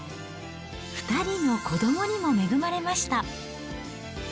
２人の子どもにも恵まれました。